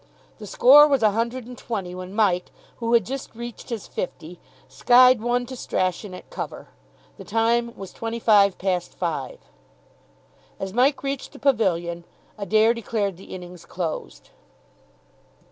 The score was a hundred and twenty when Mike, who had just reached his fifty, skied one to Strachan at cover. The time was twenty five past five. As Mike reached the pavilion, Adair declared the innings closed.